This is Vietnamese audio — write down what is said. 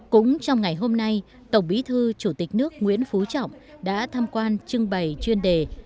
cũng trong ngày hôm nay tổng bí thư chủ tịch nước nguyễn phú trọng đã tham quan trưng bày chuyên đề